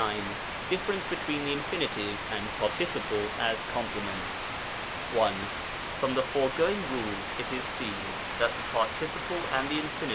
§129. Difference between the Iufusitive and Participle as Complements. 1. From the foregoing rules it is seen that the Par ticiple and the Infin.